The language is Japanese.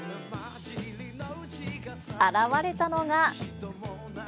現れたのが。